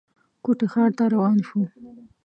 کوټې ښار ته روان شو.